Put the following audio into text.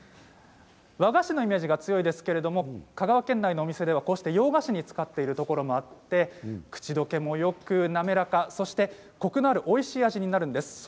和菓子のイメージが強いですけれど香川県内のお店では洋菓子に使っているところもあって口どけもよく滑らかそしてコクのあるおいしい味になるんです。